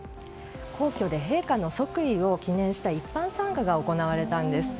皇居で、陛下の即位を記念した一般参賀が行われたんです。